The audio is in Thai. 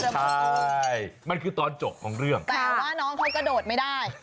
ใช่มันคือตอนจบของเรื่องแต่ว่าน้องเขากระโดดไม่ได้